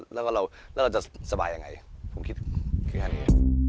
บอกเลยว่าใจดีกันไป